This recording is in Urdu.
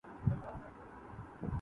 کیوں نہ تیغ یار کو مشاطۂ الفت کہوں